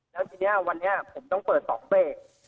แล้วทีนี้วันนี้ผมต้องเปิด๒เบรก